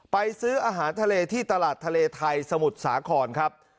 ซื้ออาหารทะเลที่ตลาดทะเลไทยสมุทรสาครครับ